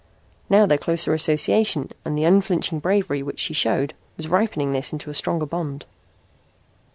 Now their closer association and the unflinching bravery which she showed was ripening this into a stronger bond.